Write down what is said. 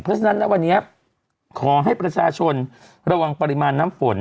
เพราะฉะนั้นนะวันนี้ขอให้ประชาชนระวังปริมาณน้ำฝน